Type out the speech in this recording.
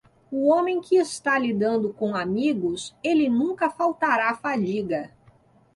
O homem que está lidando com amigos, ele nunca faltará fadiga.